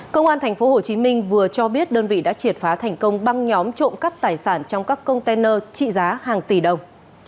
công an tp hcm vừa cho biết đơn vị đã triệt phá thành công băng nhóm trộm cắp tài sản trong các container trị giá hàng tỷ đồng